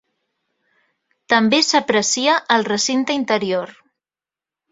També s'aprecia el recinte interior.